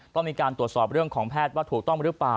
ต้องมีการตรวจสอบเรื่องของแพทย์ว่าถูกต้องหรือเปล่า